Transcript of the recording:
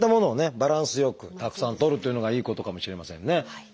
バランスよくたくさんとるというのがいいことかもしれませんね。